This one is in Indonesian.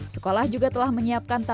sekolah juga telah menyiapkan